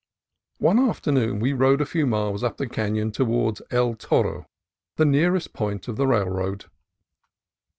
One afternoon we rode a few miles up the canon toward El Toro, the nearest point of the railroad.